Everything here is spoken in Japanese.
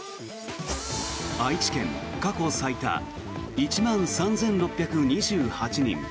愛知県過去最多１万３６２８人。